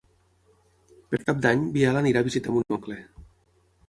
Per Cap d'Any en Biel irà a visitar mon oncle.